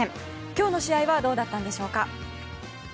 今日の試合はどうだったんでしょうか？